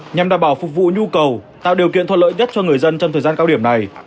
nhằm đảm bảo phục vụ nhu cầu tạo điều kiện thuận lợi nhất cho người dân trong thời gian cao điểm này